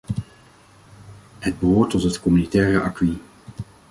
Het behoort tot het communautaire acquis.